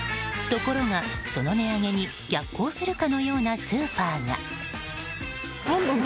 ところが、その値上げに逆行するかのようなスーパーが。